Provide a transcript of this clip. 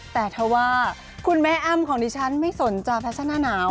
แต่ถ้าว่าคุณแม่อ้ำของดิฉันไม่สนใจหน้าหนาว